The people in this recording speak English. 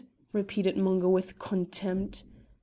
repeated Mungo with contempt.